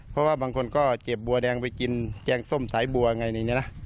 เพราะว่าบางคนก็เก็บบัวแดงไปกินแกงส้มสายบัวไงในนี้นะ